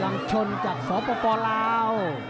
ยังชนจากสปลาว